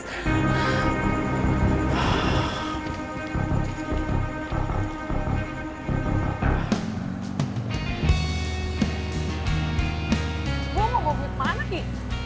gua mau ngobrol kemana ki